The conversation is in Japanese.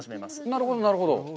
なるほど、なるほど。